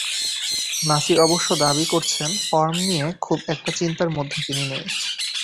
নাসির অবশ্য দাবি করছেন, ফর্ম নিয়ে খুব একটা চিন্তার মধ্যে তিনি নেই।